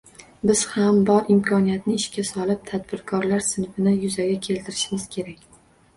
Biz ham, bor imkoniyatni ishga solib, tadbirkorlar sinfini yuzaga keltirishimiz kerak.